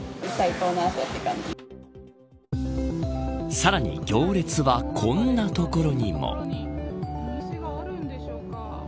さらに行列はこんなところにも。